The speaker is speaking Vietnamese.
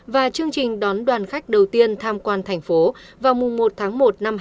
và chương trình đón đoàn khách đầu tiên tham quan thành phố vào mùng một một hai nghìn hai mươi hai